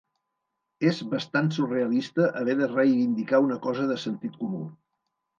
És bastant surrealista haver de reivindicar una cosa de sentit comú.